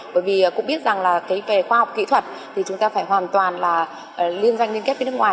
bởi vì cũng biết rằng là về khoa học kỹ thuật thì chúng ta phải hoàn toàn là liên doanh liên kết với nước ngoài